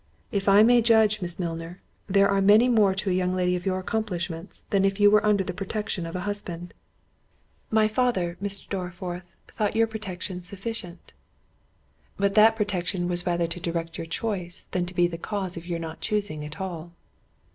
If I may judge, Miss Milner, there are many more to a young lady of your accomplishments, than if you were under the protection of a husband." "My father, Mr. Dorriforth, thought your protection sufficient." "But that protection was rather to direct your choice, than to be the cause of your not choosing at all.